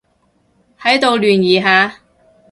喺度聯誼下